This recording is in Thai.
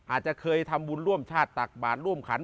อาจจะเคยทำบุญร่วมชาติตักบาทร่วมขัน